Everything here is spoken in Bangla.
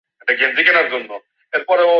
আরো অনেক সমস্যা আছে, স্যার।